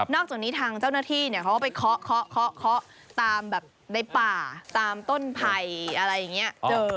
อกจากนี้ทางเจ้าหน้าที่เขาก็ไปเคาะตามแบบในป่าตามต้นไผ่อะไรอย่างนี้